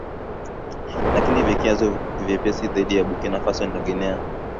lakini vikwazo vyepesi dhidi ya Burkina Faso na Guinea